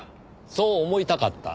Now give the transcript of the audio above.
そう思いたかった。